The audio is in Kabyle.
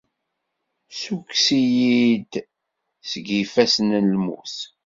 Ssukkes-iyi-d seg yifassen n lmut.